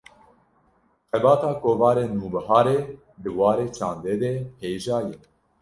Xebata Kovara Nûbiharê, di warê çandê de hêja ye